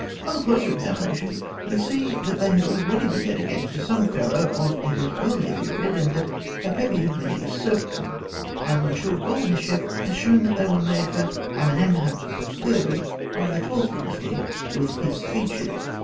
On a closer examination, we see that they had already been dedicated to some Pharaoh of a yet earlier period, and that Apepi had merely usurped them; and M. Golenischeff has shown that they were made for Amenemhat III., of the Twelfth Dynasty, and with his features.